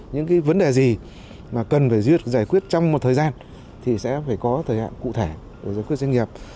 những cái vấn đề gì mà cần phải giải quyết trong một thời gian thì sẽ phải có thời hạn cụ thể để giải quyết doanh nghiệp